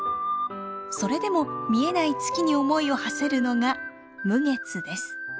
それでも見えない月に思いをはせるのが無月です。